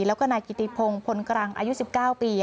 แล้วก็นายกิติพงศ์พลกรังอายุ๑๙ปี